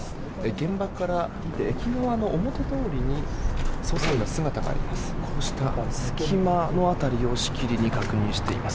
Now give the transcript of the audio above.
現場から駅側の表通りに捜査員の姿があります。